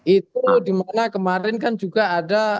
itu dimana kemarin kan juga ada